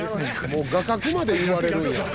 「もう画角まで言われるんや」